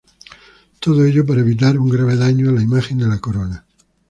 Todo ello para evitar un grave daño a la imagen de la Corona.